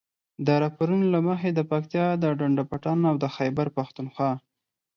د راپورونو له مخې د پکتیا د ډنډ پټان او د خيبر پښتونخوا